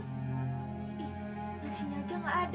nasinya aja gak ada